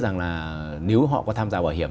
rằng là nếu họ có tham gia bảo hiểm